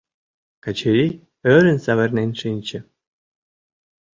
Качырий ӧрын савырнен шинче.